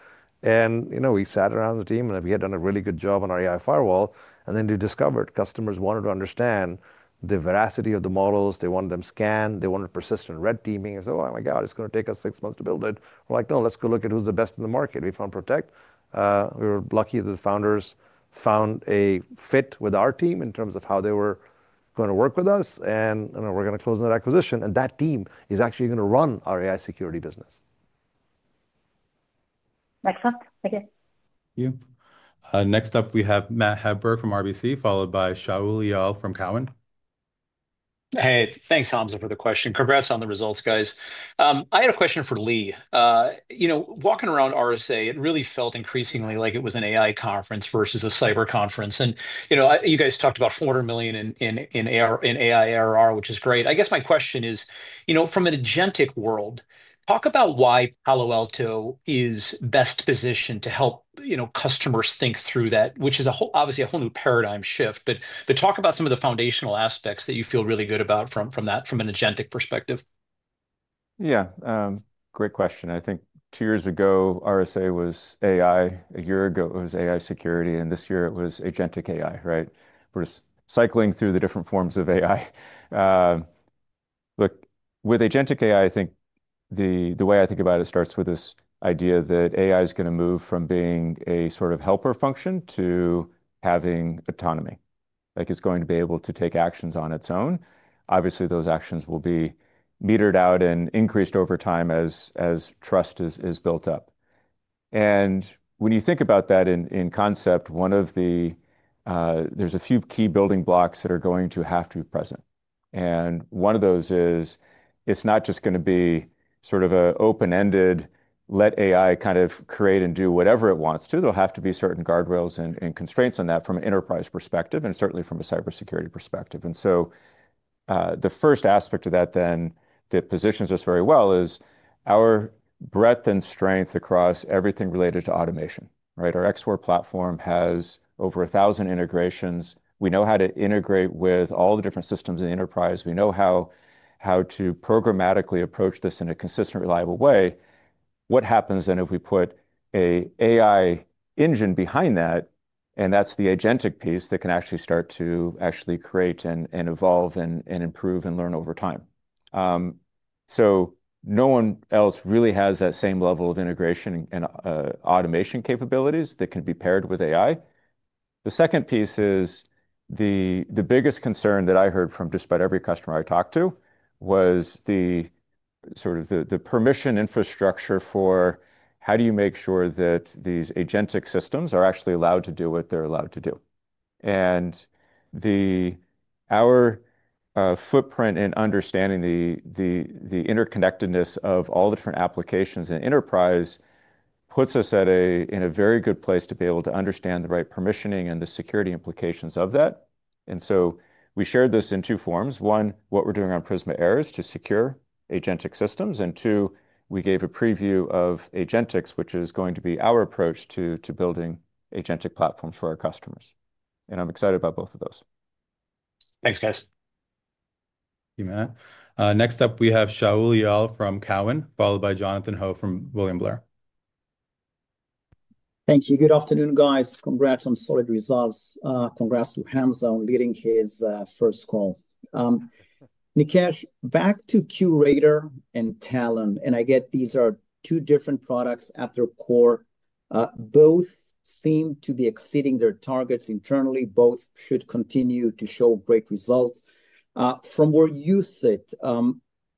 You know, we sat around the team and we had done a really good job on our AI firewall. Then we discovered customers wanted to understand the veracity of the models. They wanted them scanned. They wanted persistent red teaming. They said, "Oh, my God, it's going to take us six months to build it." We're like, "No, let's go look at who's the best in the market." We found Protect. We were lucky that the founders found a fit with our team in terms of how they were going to work with us. You know, we're going to close that acquisition. That team is actually going to run our AI security business. Excellent. Thank you. Thank you. Next up, we have Matt Hedberg from RBC, followed by Shaul Eyal from Cowen. Hey, thanks, Hamza, for the question. Congrats on the results, guys. I had a question for Lee. You know, walking around RSA, it really felt increasingly like it was an AI conference versus a cyber conference. You guys talked about $400 million in AI ARR, which is great. I guess my question is, from an agentic world, talk about why Palo Alto is best positioned to help customers think through that, which is obviously a whole new paradigm shift. Talk about some of the foundational aspects that you feel really good about from that, from an agentic perspective. Yeah, great question. I think two years ago, RSA was AI. A year ago, it was AI security. This year, it was agentic AI, right? We're cycling through the different forms of AI. Look, with agentic AI, I think the way I think about it starts with this idea that AI is going to move from being a sort of helper function to having autonomy. Like, it's going to be able to take actions on its own. Obviously, those actions will be metered out and increased over time as trust is built up. When you think about that in concept, one of the, there's a few key building blocks that are going to have to be present. One of those is it's not just going to be sort of an open-ended let AI kind of create and do whatever it wants to. There'll have to be certain guardrails and constraints on that from an enterprise perspective and certainly from a cybersecurity perspective. The first aspect of that then that positions us very well is our breadth and strength across everything related to automation, right? Our X4 platform has over a thousand integrations. We know how to integrate with all the different systems in the enterprise. We know how to programmatically approach this in a consistent, reliable way. What happens then if we put an AI engine behind that? That is the agentic piece that can actually start to actually create and evolve and improve and learn over time. No one else really has that same level of integration and automation capabilities that can be paired with AI. The second piece is the biggest concern that I heard from just about every customer I talked to was the sort of the permission infrastructure for how do you make sure that these agentic systems are actually allowed to do what they're allowed to do. Our footprint in understanding the interconnectedness of all the different applications in enterprise puts us in a very good place to be able to understand the right permissioning and the security implications of that. We shared this in two forms. One, what we're doing on Prisma AIRS to secure agentic systems. Two, we gave a preview of agentics, which is going to be our approach to building agentic platforms for our customers. I'm excited about both of those. Thanks, guys. Thank you, Matt. Next up, we have Shaul Eyal from Cowen, followed by Jonathan Ho from William Blair. Thank you. Good afternoon, guys. Congrats on solid results. Congrats to Hamza on leading his first call. Nikesh, back to QRadar and Talen. I get these are two different products at their core. Both seem to be exceeding their targets internally. Both should continue to show great results. From where you sit,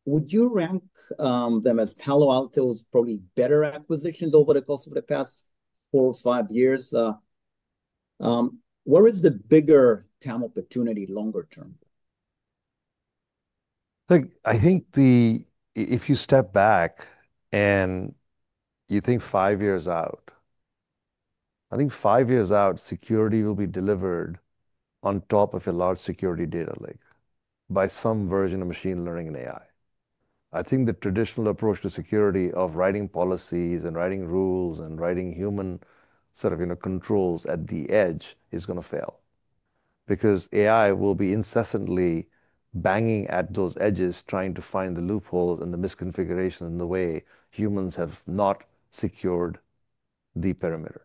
would you rank them as Palo Alto's probably better acquisitions over the course of the past four or five years? Where is the bigger talent opportunity longer term? I think if you step back and you think five years out, I think five years out, security will be delivered on top of a large security data lake by some version of machine learning and AI. I think the traditional approach to security of writing policies and writing rules and writing human sort of, you know, controls at the edge is going to fail because AI will be incessantly banging at those edges, trying to find the loopholes and the misconfigurations in the way humans have not secured the perimeter.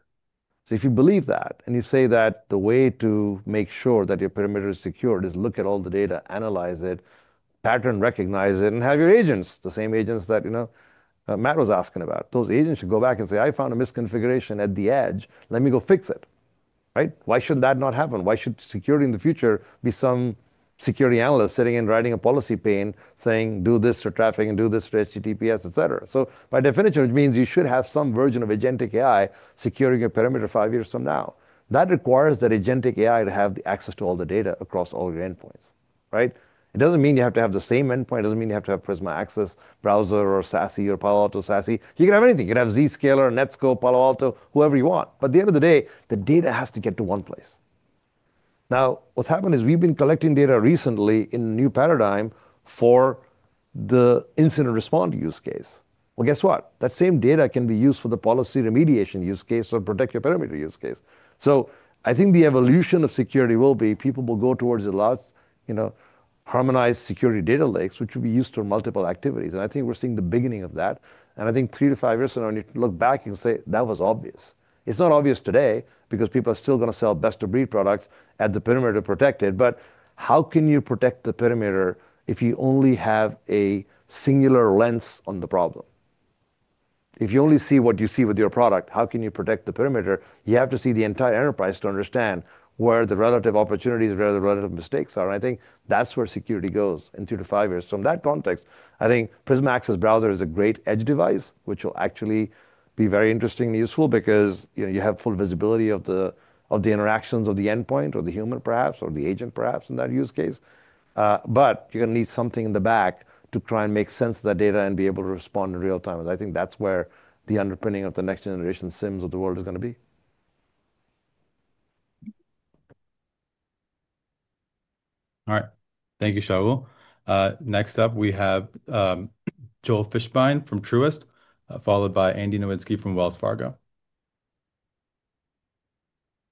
If you believe that and you say that the way to make sure that your perimeter is secured is look at all the data, analyze it, pattern recognize it, and have your agents, the same agents that, you know, Matt was asking about, those agents should go back and say, "I found a misconfiguration at the edge. Let me go fix it." Right? Why should that not happen? Why should security in the future be some security analyst sitting and writing a policy pane saying, "Do this for traffic and do this for HTTPS," et cetera? By definition, it means you should have some version of agentic AI securing your perimeter five years from now. That requires that agentic AI to have the access to all the data across all your endpoints, right? It does not mean you have to have the same endpoint. It does not mean you have to have Prisma Access Browser or SASE or Palo Alto SASE. You can have anything. You can have Zscaler, Netskope, Palo Alto, whoever you want. At the end of the day, the data has to get to one place. Now, what has happened is we have been collecting data recently in a new paradigm for the incident response use case. Guess what? That same data can be used for the policy remediation use case or protect your perimeter use case. I think the evolution of security will be people will go towards a large, you know, harmonized security data lakes, which will be used for multiple activities. I think we're seeing the beginning of that. I think three to five years from now, when you look back, you can say, "That was obvious." It's not obvious today because people are still going to sell best-of-breed products at the perimeter to protect it. How can you protect the perimeter if you only have a singular lens on the problem? If you only see what you see with your product, how can you protect the perimeter? You have to see the entire enterprise to understand where the relative opportunities, where the relative mistakes are. I think that's where security goes in two to five years. From that context, I think Prisma Access Browser is a great edge device, which will actually be very interesting and useful because, you know, you have full visibility of the interactions of the endpoint or the human, perhaps, or the agent, perhaps, in that use case. You are going to need something in the back to try and make sense of that data and be able to respond in real time. I think that's where the underpinning of the next generation SIEMs of the world is going to be. All right. Thank you, Shaul. Next up, we have Joel Fishbein from Truist, followed by Andy Nowinski from Wells Fargo.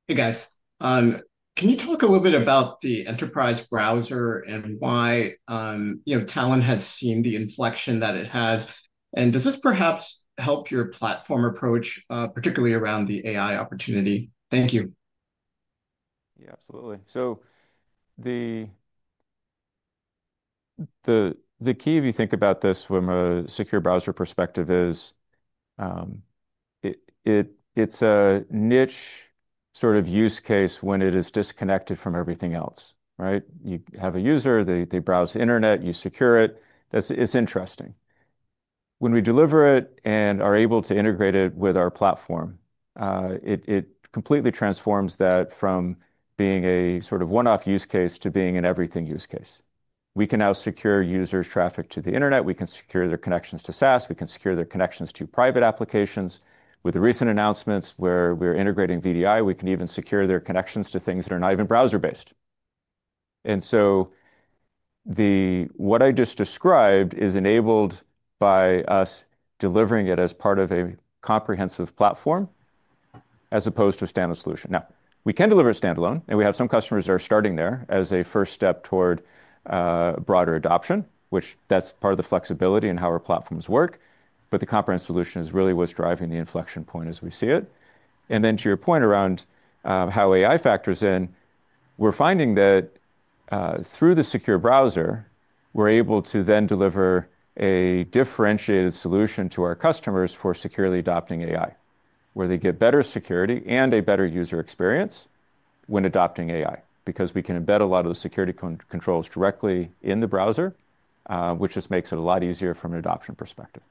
Hey, guys. Can you talk a little bit about the enterprise browser and why, you know, talent has seen the inflection that it has? Does this perhaps help your platform approach, particularly around the AI opportunity? Thank you. Yeah, absolutely. The key if you think about this from a secure browser perspective is it's a niche sort of use case when it is disconnected from everything else, right? You have a user, they browse the internet, you secure it. It's interesting. When we deliver it and are able to integrate it with our platform, it completely transforms that from being a sort of one-off use case to being an everything use case. We can now secure users' traffic to the internet. We can secure their connections to SaaS. We can secure their connections to private applications. With the recent announcements where we're integrating VDI, we can even secure their connections to things that are not even browser-based. What I just described is enabled by us delivering it as part of a comprehensive platform as opposed to a standalone solution. Now, we can deliver it standalone, and we have some customers that are starting there as a first step toward broader adoption, which is part of the flexibility in how our platforms work. The comprehensive solution is really what is driving the inflection point as we see it. To your point around how AI factors in, we are finding that through the secure browser, we are able to deliver a differentiated solution to our customers for securely adopting AI, where they get better security and a better user experience when adopting AI because we can embed a lot of the security controls directly in the browser, which just makes it a lot easier from an adoption perspective.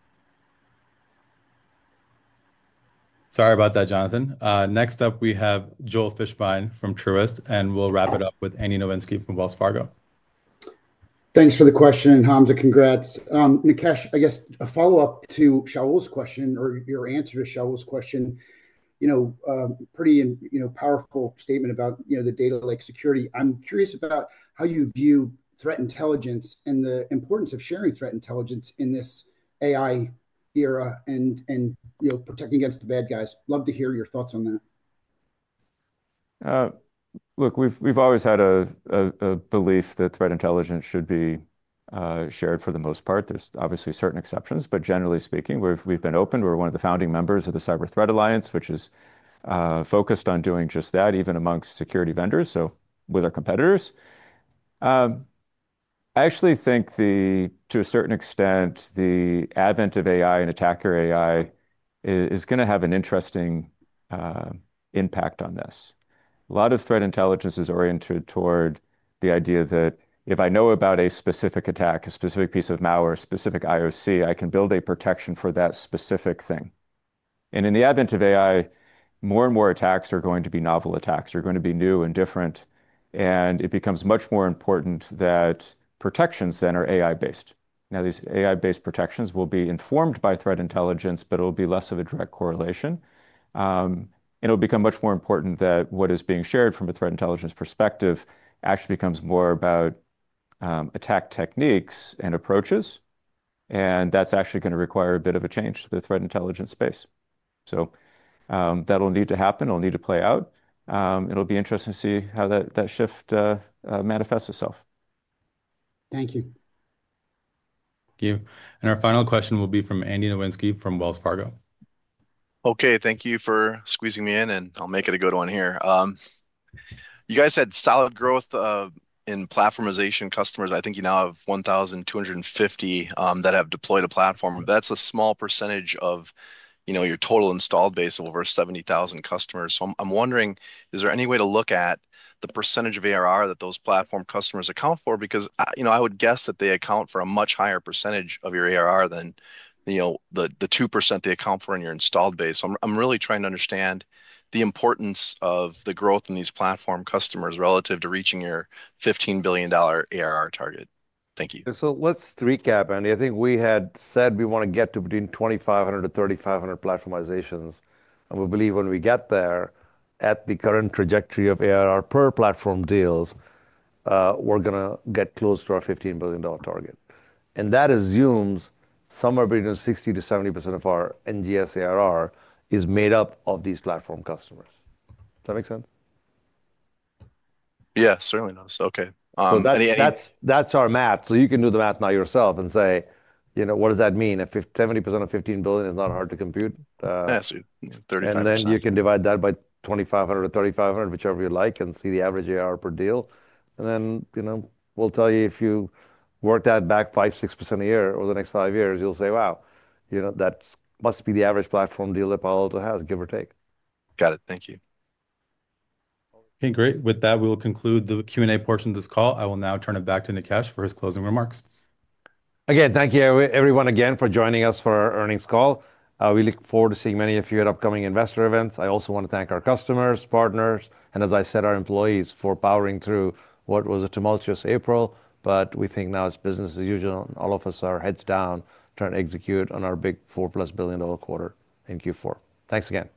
Sorry about that, Jonathan. Next up, we have Joel Fishbein from Truist, and we'll wrap it up with Andy Nowinski from Wells Fargo. Thanks for the question. Hamza, congrats. Nikesh, I guess a follow-up to Shaul's question or your answer to Shaul's question. You know, pretty powerful statement about the data lake security. I'm curious about how you view threat intelligence and the importance of sharing threat intelligence in this AI era and protecting against the bad guys. Love to hear your thoughts on that. Look, we've always had a belief that threat intelligence should be shared for the most part. There's obviously certain exceptions, but generally speaking, we've been open. We're one of the founding members of the Cyber Threat Alliance, which is focused on doing just that, even amongst security vendors, so with our competitors. I actually think, to a certain extent, the advent of AI and attacker AI is going to have an interesting impact on this. A lot of threat intelligence is oriented toward the idea that if I know about a specific attack, a specific piece of malware, a specific IOC, I can build a protection for that specific thing. In the advent of AI, more and more attacks are going to be novel attacks. They're going to be new and different. It becomes much more important that protections then are AI-based. Now, these AI-based protections will be informed by threat intelligence, but it will be less of a direct correlation. It will become much more important that what is being shared from a threat intelligence perspective actually becomes more about attack techniques and approaches. That's actually going to require a bit of a change to the threat intelligence space. That'll need to happen. It'll need to play out. It'll be interesting to see how that shift manifests itself. Thank you. Thank you. Our final question will be from Andy Nowinski from Wells Fargo. Okay, thank you for squeezing me in, and I'll make it a good one here. You guys had solid growth in platformization customers. I think you now have 1,250 that have deployed a platform. That's a small percentage of your total installed base of over 70,000 customers. I'm wondering, is there any way to look at the percentage of ARR that those platform customers account for? Because I would guess that they account for a much higher percentage of your ARR than the 2% they account for in your installed base. I'm really trying to understand the importance of the growth in these platform customers relative to reaching your $15 billion ARR target. Thank you. Let's recap, Andy. I think we had said we want to get to between 2,500-3,500 platformizations. We believe when we get there, at the current trajectory of ARR per platform deals, we're going to get close to our $15 billion target. That assumes somewhere between 60%-70% of our NGS ARR is made up of these platform customers. Does that make sense? Yeah, certainly does. Okay. That's our math. You can do the math now yourself and say, you know, what does that mean? If 70% of $15 billion is not hard to compute. Yes, 3,500. Then you can divide that by 2,500 or 3,500, whichever you like, and see the average ARR per deal. If you work that back 5%, 6% a year over the next five years, you'll say, wow, that must be the average platform deal that Palo Alto has, give or take. Got it. Thank you. Okay, great. With that, we'll conclude the Q&A portion of this call. I will now turn it back to Nikesh for his closing remarks. Again, thank you, everyone, again for joining us for our earnings call. We look forward to seeing many of you at upcoming investor events. I also want to thank our customers, partners, and, as I said, our employees for powering through what was a tumultuous April. We think now it's business as usual, and all of us are heads down trying to execute on our big four-plus billion-dollar quarter in Q4. Thanks again.